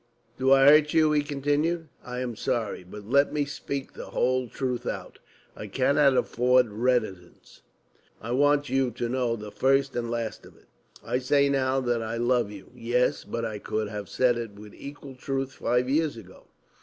"Do I hurt you?" he continued. "I am sorry. But let me speak the whole truth out, I cannot afford reticence, I want you to know the first and last of it. I say now that I love you. Yes, but I could have said it with equal truth five years ago.